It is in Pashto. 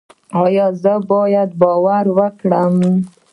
ایا زه باید باور وکړم؟